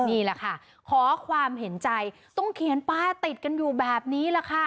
นี่แหละค่ะขอความเห็นใจต้องเขียนป้ายติดกันอยู่แบบนี้แหละค่ะ